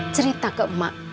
cerita ke emak